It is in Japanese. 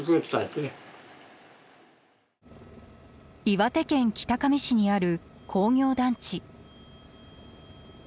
岩手県北上市にある工業団地。